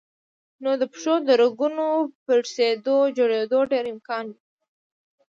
نو د پښو د رګونو پړسېدو جوړېدو ډېر امکان وي